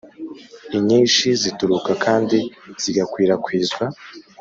Inyinshi zituruka kandi zigakwirakwizwa